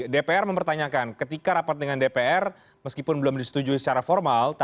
dpr mempertanyakan ketika rapat dengan dpr meskipun belum disetujui secara formal